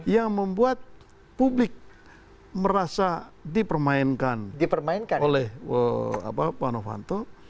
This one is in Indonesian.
yang membuat publik merasa dipermainkan oleh pak novanto